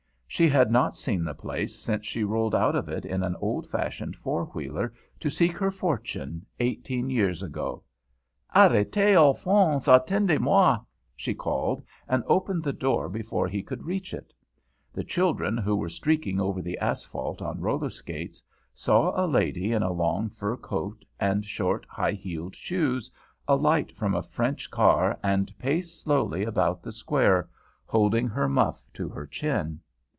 She had not seen the place since she rolled out of it in an old fashioned four wheeler to seek her fortune, eighteen years ago. "Arrêtez, Alphonse. Attendez moi," she called, and opened the door before he could reach it. The children who were streaking over the asphalt on roller skates saw a lady in a long fur coat, and short, high heeled shoes, alight from a French car and pace slowly about the Square, holding her muff to her chin.